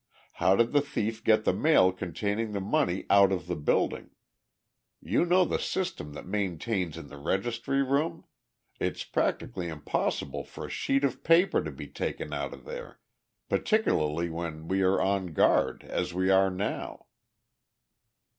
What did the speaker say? How did the thief get the mail containing the money out of the building? You know the system that maintains in the registry room? It's practically impossible for a sheet of paper to be taken out of there, particularly when we are on guard, as we are now."